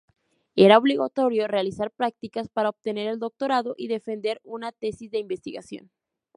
Era obligatorio realizar prácticas para obtener el doctorado y defender una tesis de investigación.